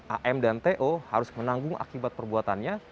am dan to harus menanggung akibat perbuatannya